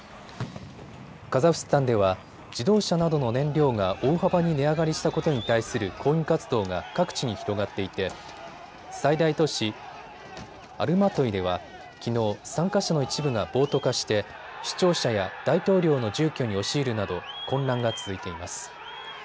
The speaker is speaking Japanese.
カザフスタンでは自動車などの燃料が大幅に値上がりしたことに対する抗議活動が各地に広がっていて最大都市アルマトイでは、きのう、参加者の一部が暴徒化して市庁舎や大統領の住居に押し入るなど混乱が続いています。